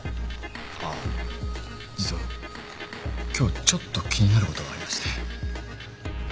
ああ実は今日ちょっと気になる事がありまして。